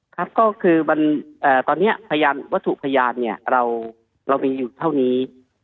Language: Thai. ครับก็คือตอนนี้พยานวัตถุพยานเนี่ยเรามีอยู่เท่านี้